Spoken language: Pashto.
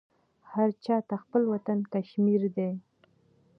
هرچاته خپل وطن کشمیردی